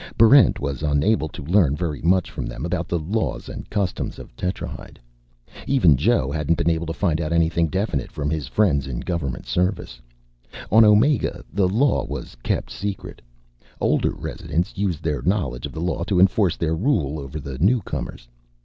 Barrent was unable to learn very much from them about the laws and customs of Tetrahyde. Even Joe hadn't been able to find out anything definite from his friends in government service. On Omega, the law was kept secret. Older residents used their knowledge of the law to enforce their rule over the newcomers.